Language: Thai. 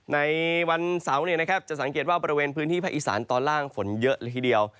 ในวันเสาร์จะสังเกตว่าบริเวณพื้นที่ภาคอีสานตอนล่างฝนเยอะเลยทีเดียว